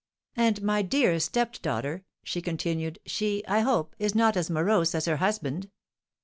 "And my dear stepdaughter," she continued, "she, I hope, is not as morose as her husband?"